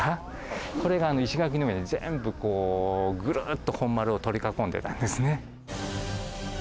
これが、石垣の上に全部、こうぐるっと本丸を取り囲んでたんですね。